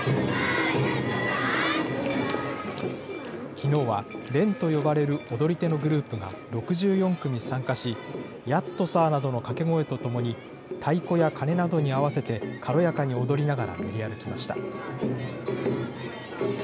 きのうは連と呼ばれる踊り手のグループが６４組参加し、やっとさーなどの掛け声とともに、太鼓やかねなどに合わせて軽やかに踊りながら練り歩きました。